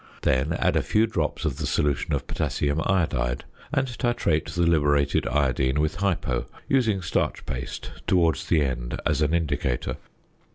Then add a few drops of the solution of potassium iodide, and titrate the liberated iodine with "hypo," using starch paste towards the end as an indicator.